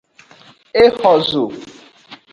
E xo zo.